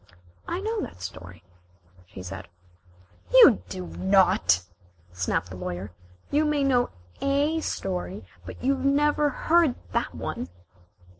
"I know that story," she said. "You do not," snapped the Lawyer. "You may know a story, but you never heard that one."